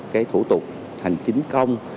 cái thủ tục hành chính công